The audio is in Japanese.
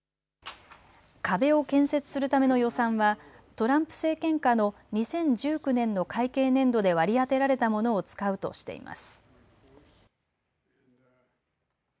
壁を建設するための予算はトランプ政権下の２０１９年の会計年度で割り当てられたものを使うとしています。